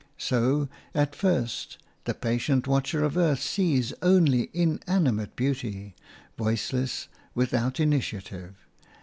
So, at first, the patient watcher of earth sees only inanimate beauty, voiceless, without initiative.